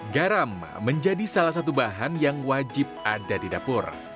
garam menjadi salah satu bahan yang wajib ada di dapur